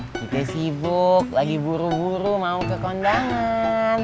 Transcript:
kita sibuk lagi buru buru mau ke kondangan